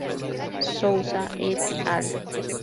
Souza "et al.